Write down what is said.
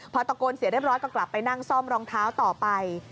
พอตะโกนเสียเรียบร้อยก็กลับไปนั่งซ่อมรองเท้าต่อไป